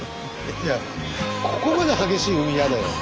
いやここまで激しい海嫌だよ。